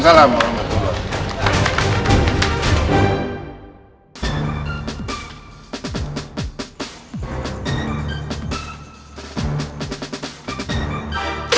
iya anak anak ya